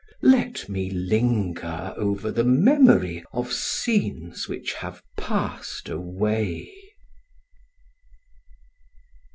Let me linger over the memory of scenes which have passed away."